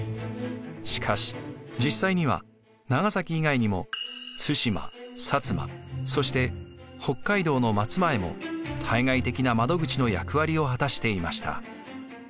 しかし実際には長崎以外にも対馬摩そして北海道の松前も対外的な窓口の役割を果たしていました。